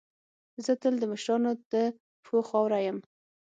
زه تل د مشرانو د پښو خاوره یم.